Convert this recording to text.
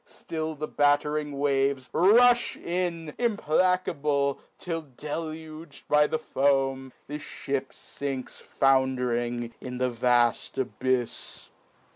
ftill the battering waves rufh in, Implacable, f'11 ceiug'd by the foam, The fhip finks found'ring in the vaft abyfs.